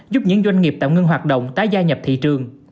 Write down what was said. giúp những doanh nghiệp tạm ngưng hoạt động tái gia nhập thị trường